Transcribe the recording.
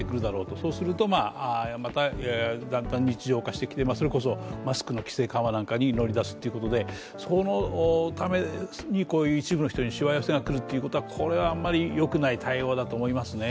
そうするとまただんだん日常化してきてそれこそマスクの規制緩和なんかに乗り出すってことでそのためにこういう一部にしわ寄せが来るっていうのはこれはあまりよくない対応だと思いますね。